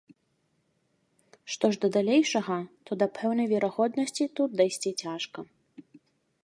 Што ж да далейшага, то да пэўнай верагоднасці тут дайсці цяжка.